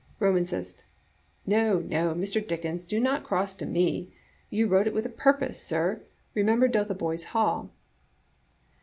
Romancist — "No, no, Mr. Dickens, do not cross to me. You wrote with a purpose, sir. Remember Dothe boys Hall."